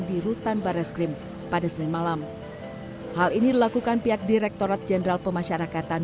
di rutan barres krimpori pada senin malam hal ini dilakukan pihak direktorat jenderal pemasyarakatan